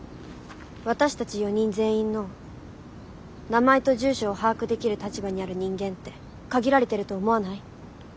私たち４人全員の名前と住所を把握できる立場にある人間って限られてると思わない？